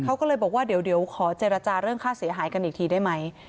เขาก็เลยบอกว่าเดี๋ยวขอเจรจาเรื่องค่าเสียหายกันอีกทีได้ไหม